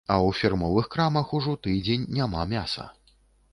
А ў фірмовых крамах ужо тыдзень няма мяса.